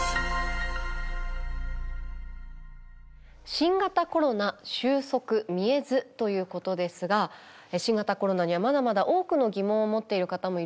新型コロナ収束見えずということですが新型コロナにはまだまだ多くの疑問を持っている方もいると思います。